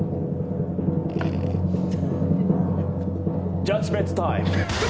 ジャッジメントタイム！